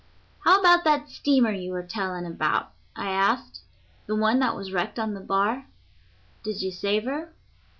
"How about that steamer you were telling about," I asked; "the one that was wrecked on the bar? Did you save her?"